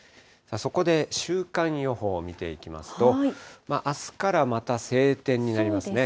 そこで週間予報見ていきますと、あすからまた晴天になりますね。